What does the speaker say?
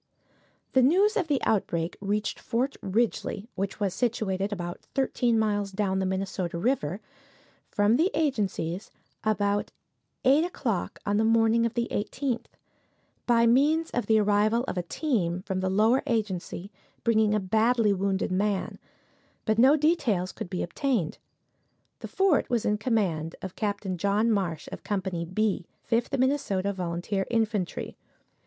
The news of the outbreak reached Fort Ridgely (which was situated about thirteen miles down the Minnesota river) from the agencies about eight o'clock on the morning of the 18th, by means of the arrival of a team from the Lower Agency, bringing a badly wounded man; but no details could be obtained. The fort was in command of Capt. John Marsh, of Company "B," Fifth Minnesota Volunteer Infantry.